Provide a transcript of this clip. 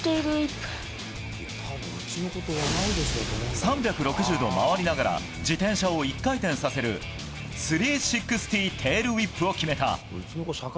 ３６０度回りながら自転車を１回転させる３６０テールウィップを決めた。